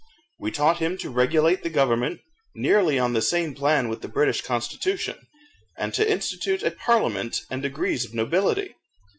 We taught him to regulate the government nearly on the same plan with the British constitution, and to institute a parliament and degrees of nobility.